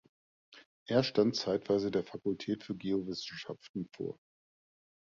Er stand zeitweise der Fakultät für Geowissenschaften vor.